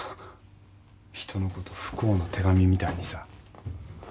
人のこと「不幸の手紙」みたいにさ。